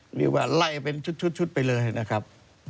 เรียกว่าไล่เป็นชุดไปเลยนะครับ